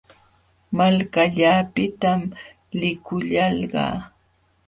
Malkallaapitam likullalqaa.